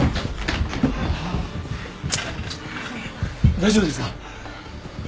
大丈夫ですか？